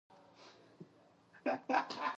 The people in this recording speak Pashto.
ازادي راډیو د سیاست په اړه د مسؤلینو نظرونه اخیستي.